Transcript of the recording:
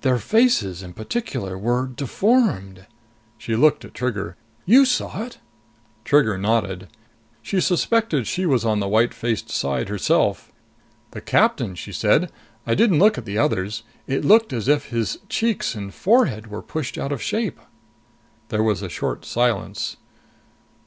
"Their faces, in particular, were deformed!" She looked at Trigger. "You saw it?" Trigger nodded. She suspected she was on the white faced side herself. "The captain," she said. "I didn't look at the others. It looked as if his cheeks and forehead were pushed out of shape!" There was a short silence.